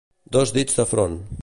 Dos dits de front.